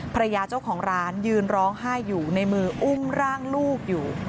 ภรรยาเจ้าของร้านยืนร้องไห้อยู่ในมืออุ้มร่างลูกอยู่